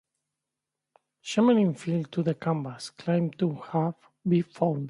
Schmeling fell to the canvas, claiming to have been fouled.